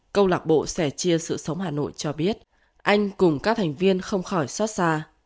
câu lạc bộ sẻ chia sự sống hà nội cho biết anh cùng các thành viên không khỏi xót xa